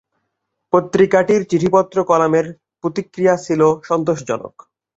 পত্রিকাটির চিঠিপত্র কলামের প্রতিক্রিয়া ছিল সন্তোষজনক।